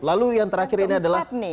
lalu yang terakhir ini adalah